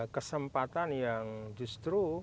kesempatan yang justru